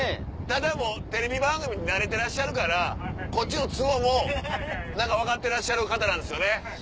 ただもうテレビ番組に慣れてらっしゃるからこっちの都合も分かっていらっしゃる方なんですよね。